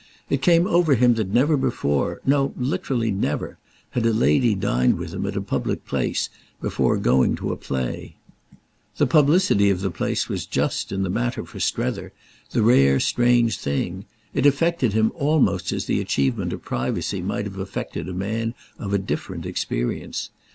It came over him that never before—no, literally never—had a lady dined with him at a public place before going to the play. The publicity of the place was just, in the matter, for Strether, the rare strange thing; it affected him almost as the achievement of privacy might have affected a man of a different experience.